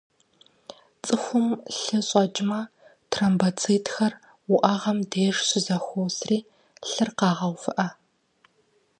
Цӏыхум лъы щӏэкӏмэ, тромбоцитхэр уӏэгъэм деж щызэхуосри, лъыр къагъэувыӏэ.